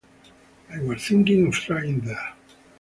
I was thinking of trying there.